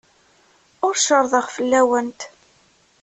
Ur cerrḍeɣ fell-awent.